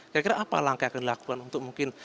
kira kira apa langkah yang akan dilakukan untuk mungkin